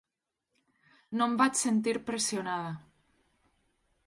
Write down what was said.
No em vaig sentir pressionada